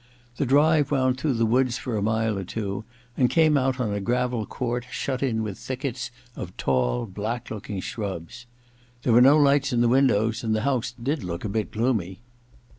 The drive wound through the woods for a mile or two, and came out on a gravel court shut in with thickets of tall black looking shrubs. There were no lights in the windows and the house did look a bit gloomy.